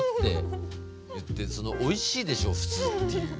その「おいしい」でしょう普通っていう。